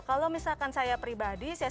kalau misalkan saya pribadi saya